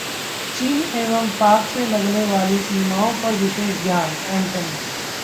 चीन एवं पाक से लगने वाली सीमाओं पर विशेष ध्यान: एंटनी